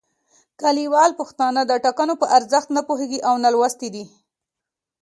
کلیوال پښتانه د ټاکنو په ارزښت نه پوهیږي او نالوستي دي